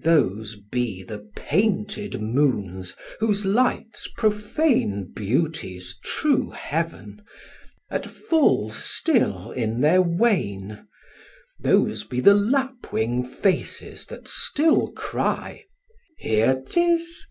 Those be the painted moons, whose lights profane Beauty's true heaven, at full still in their wane; Those be the lapwing faces that still cry, "Here 'tis!"